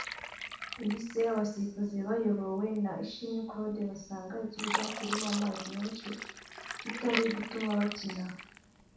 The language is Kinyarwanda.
ihise abasifuzi bayobowe na Ishimwe Claude basanga ikibuga kirimo amazi menshi kitari gutuma bakina